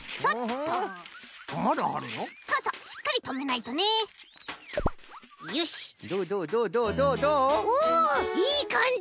いいかんじ。